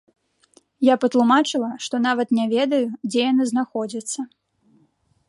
Я патлумачыла, што нават не ведаю, дзе яны знаходзяцца.